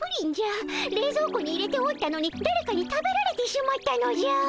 冷蔵庫に入れておったのにだれかに食べられてしまったのじゃ。